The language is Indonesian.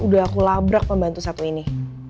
udah aku labrak pembantu satu ini